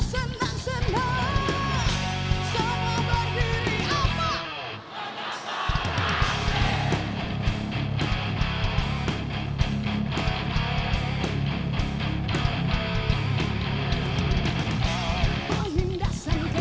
tantri negeriku yang ku cinta